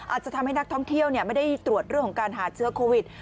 อาจจะทำให้นักท่องเที่ยวไม่ได้ตรวจเรื่องของการหาเชื้อโควิด